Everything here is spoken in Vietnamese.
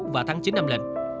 và tháng chín âm lịch